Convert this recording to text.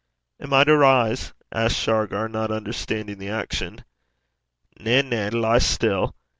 'Am I to rise?' asked Shargar, not understanding the action. 'Na, na, lie still.